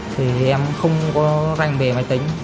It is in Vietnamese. thì em không có rành về máy tính